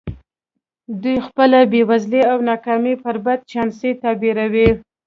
دوی خپله بېوزلي او ناکامي پر بد چانسۍ تعبیروي